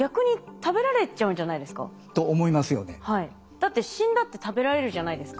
だって死んだって食べられるじゃないですか。